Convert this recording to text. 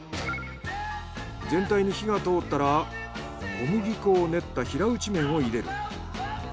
全体に火が通ったら小麦粉を練った平打ち麺を入れる。